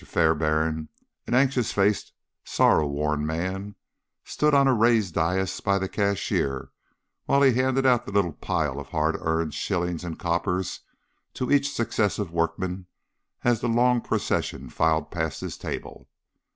Fairbairn, an anxious faced, sorrow worn man, stood on a raised dais by the cashier while he handed the little pile of hardly earned shillings and coppers to each successive workman as the long procession filed past his table.